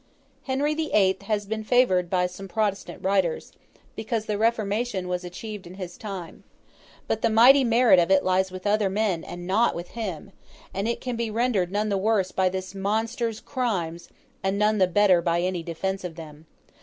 Henry the Eighth has been favoured by some Protestant writers, because the Reformation was achieved in his time. But the mighty merit of it lies with other men and not with him; and it can be rendered none the worse by this monster's crimes, and none the better by any defence of them.